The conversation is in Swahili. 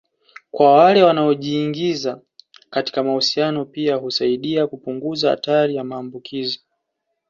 kwa wale wanaojiingiza katika mahusiano pia husaidia kupunguza hatari ya maambukizi